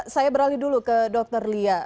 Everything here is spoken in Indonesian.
saya beralih dulu ke dr lia